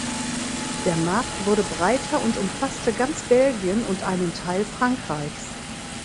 Der Markt wurde breiter und umfasste ganz Belgien und einen Teil Frankreichs.